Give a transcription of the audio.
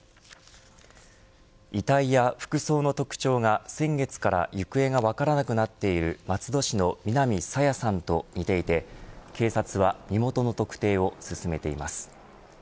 遺体や服装の特徴が、先月から行方が分からなくなっている松戸市の南朝芽さんと似ていて警察は身元の特定を進めています。